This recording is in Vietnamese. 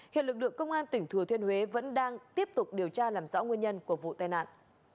hiện lực lượng công an tỉnh thừa thiên huế vẫn đang tiếp tục điều tra làm rõ nguyên nhân của vụ tai nạn